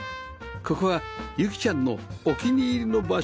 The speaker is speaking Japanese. ここはゆきちゃんのお気に入りの場所